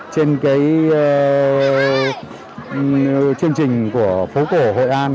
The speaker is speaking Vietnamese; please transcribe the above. trên cái chương trình của phố cổ hội an